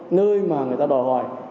nơi mà người ta đòi hỏi